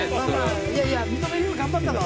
いやいや認めるよ頑張ったのはね。